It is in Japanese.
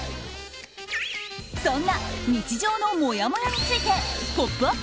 そんな日常のもやもやについて「ポップＵＰ！」